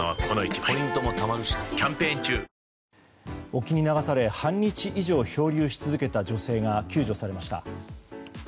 沖に流され、半日以上漂流し続けた女性が救助されました。